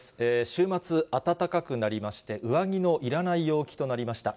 週末、暖かくなりまして、上着のいらない陽気となりました。